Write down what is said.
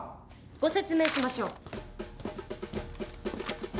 ご説明しましょう。